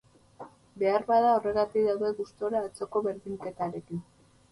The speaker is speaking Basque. Beharbada horregatik daude gustura atzoko berdinketarekin.